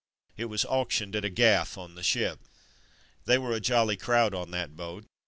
It was auctioned at a ''gaff'' on the ship. They were a jolly crowd on that boat.